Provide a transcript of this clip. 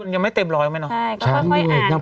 ะคุณอย่างไม่เต็มร้อยป่าวมั้ยนะครับอ๙๐๐บาทด้านละ